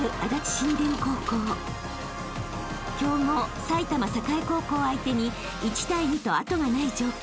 ［強豪埼玉栄高校相手に１対２と後がない状況］